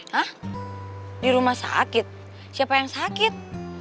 nah di rumah sakit siapa yang sakit